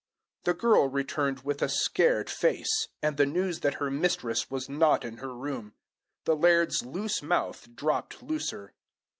The girl returned with a scared face, and the news that her mistress was not in her room. The laird's loose mouth dropped looser.